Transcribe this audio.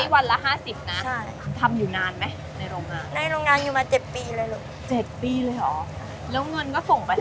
ข้ากินข้าอยู่ของลูก